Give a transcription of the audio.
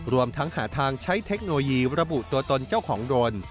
รวมทั้งหาทางใช้เทคโนโลยีระบุตัวตนเจ้าของโดรน